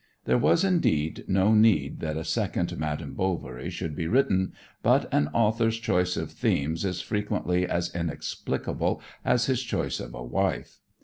There was, indeed, no need that a second "Madame Bovary" should be written, but an author's choice of themes is frequently as inexplicable as his choice of a wife.